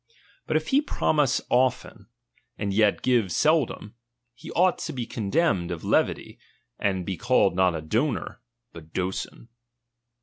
But if he promise often, and yet give seldom, he ought to be condemned of levity, and be called not a donor, but doson.